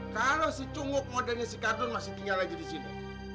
kalau si cunguk modelnya si kardun masih tinggal lagi di sini